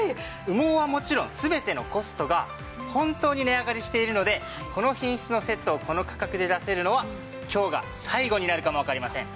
羽毛はもちろん全てのコストが本当に値上がりしているのでこの品質のセットをこの価格で出せるのは今日が最後になるかもわかりません。